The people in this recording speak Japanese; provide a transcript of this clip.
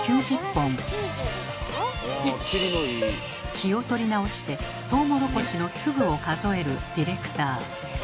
気を取り直してトウモロコシの粒を数えるディレクター。